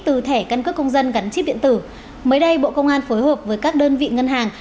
từ thẻ căn cước công dân gắn chip điện tử mới đây bộ công an phối hợp với các đơn vị ngân hàng